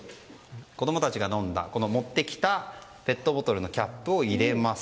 子供たちが持ってきたペットボトルのキャップを入れます。